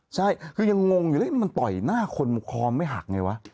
ใช่คือยังงงอยู่มันต่อยหน้าคนคอไม่หักไงวะ